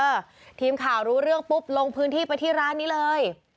ทีมข่าวรู้เรื่องปุ๊บลงพื้นที่ไปที่ร้านนี้เลย